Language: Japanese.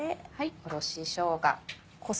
おろししょうが。